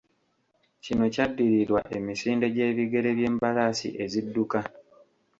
Kino kyaddirirwa emisinde gy'ebigere by'embalaasi ezidduka.